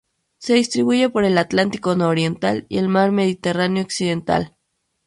Se distribuye por el Atlántico nororiental y el mar Mediterráneo occidental.